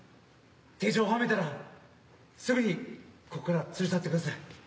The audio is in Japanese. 手錠をはめたらすぐにここから連れ去ってください。